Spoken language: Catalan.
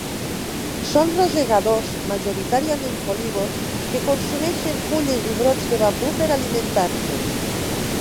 Són rosegadors majoritàriament folívors que consumeixen fulles i brots de bambú per alimentar-se.